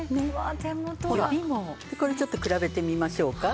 これちょっと比べてみましょうか。